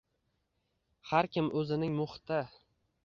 Har kim o’zining muhiti